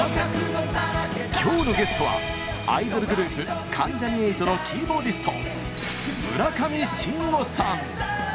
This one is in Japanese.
今日のゲストはアイドルグループ関ジャニ∞のキーボーディスト村上信五さん。